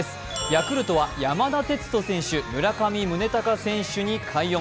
ヤクルトは山田哲人選手、村上宗隆選手に快音。